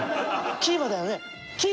キーマだよね！？